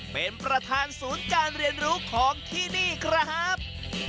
เป็นประธานศูนย์การเรียนรู้ของที่นี่ครับ